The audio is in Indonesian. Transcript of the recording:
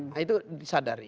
nah itu sadar